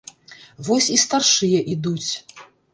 Вось і старшыя ідуць.